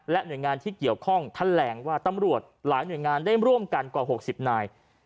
หน่วยงานที่เกี่ยวข้องแถลงว่าตำรวจหลายหน่วยงานได้ร่วมกันกว่า๖๐นาย